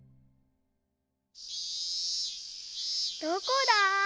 どこだ？